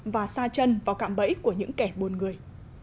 và xa chân vào cạm bẫy của những kẻ buồn người